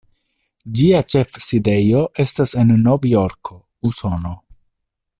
Ĝia ĉefsidejo estas en Novjorko, Usono.